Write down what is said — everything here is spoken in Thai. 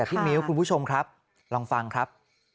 พี่มิ้วคุณผู้ชมครับลองฟังครับ